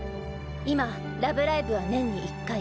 今「ラブライブ！」は年に１回。